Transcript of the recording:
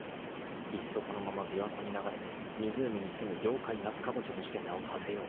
［いっそこのまま琵琶湖に流れて湖にすむ妖怪ナスカボチャとして名をはせようか］